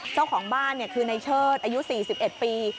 เจ้าของบ้านเนี้ยคือในเชิดอายุสี่สิบเอ็ดปี